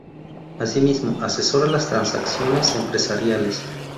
Asimismo, asesora las transacciones empresariales.